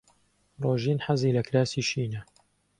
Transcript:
ڕۆژین حەزی لە کراسی شینە.